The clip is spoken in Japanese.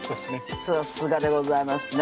さすがでございますね